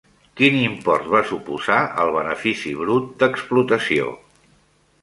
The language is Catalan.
Quin import va suposar el benefici brut d'explotació?